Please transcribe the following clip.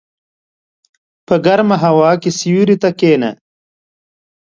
په ګرمه هوا کې سیوري ته کېنه.